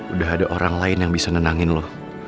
udah ada orang lain yang bisa nenangin loh